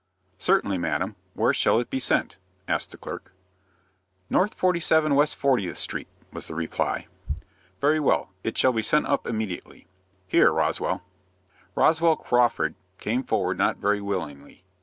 "Certainly, madam. Where shall it be sent?" asked the clerk. "No. 47 West Fortieth Street," was the reply. "Very well, it shall be sent up immediately. Here, Roswell." Roswell Crawford came forward not very willingly.